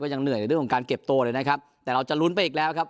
ยังเหนื่อยในเรื่องของการเก็บตัวเลยนะครับแต่เราจะลุ้นไปอีกแล้วครับ